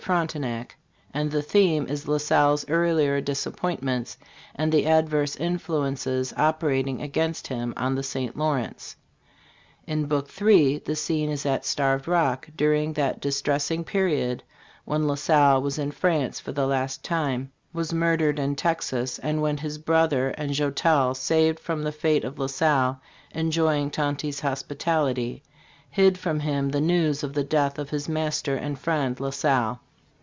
Frontenac ; and the theme is La Salle's earlier disappointments and the adverse influences operating against him on the St. Lawrence. In Book III the scene is at Starved Rock dur ing that distressing period when La Salle was in France for the last time ; was murdered in Texas, and when his brother and Joutel, saved from the fate of La Salle, enjoying Tonty's hospitality, hid from him the news of the death of his master and friend, La Salle.